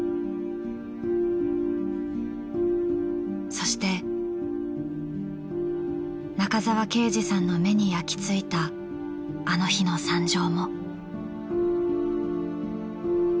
そして中沢啓治さんの目に焼きついたあの日の惨状も。